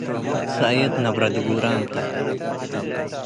ሰእየት ነብረ ድቡራም ተ።